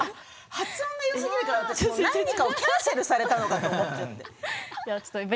発音がよすぎるから何かをキャンセルされたのかと思いました。